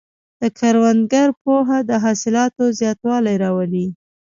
د کروندګر پوهه د حاصلاتو زیاتوالی راولي.